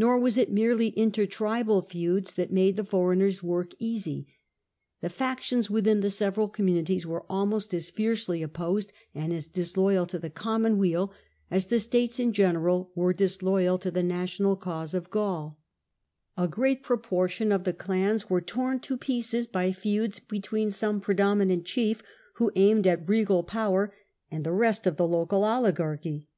Hor was it merely inter tribal feuds that made the foreigner's work easy. The factions within the several communities were almost as fiercely opposed, and as disloyal to the common weal, as the states in general were disloyal to the national cause of GauL A great THE STATE OE GAUL 317 proportion of the clans were torn to pieces by feuds between some predominant chief who aimed at regal power, and the rest of the local oligarchy.